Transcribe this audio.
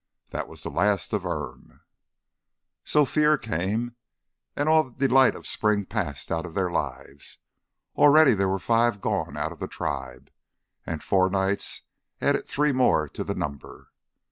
That was the last of Irm. So fear came, and all the delight of spring passed out of their lives. Already there were five gone out of the tribe, and four nights added three more to the number.